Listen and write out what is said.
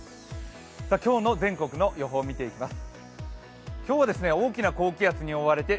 今日の全国の予報見ていきます。